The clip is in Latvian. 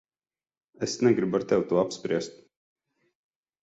Es negribu ar tevi to apspriest.